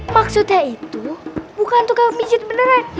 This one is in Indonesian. maksudnya itu bukan tukang pijit beneran